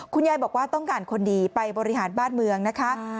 คุณยายบอกว่าต้องการคนดีไปบริหารบ้านเมืองนะคะ